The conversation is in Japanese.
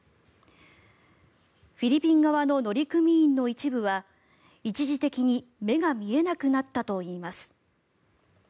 フィリピン側の乗組員の一部は一時的に目が見えなくなったといいます。